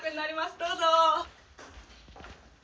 どうぞ。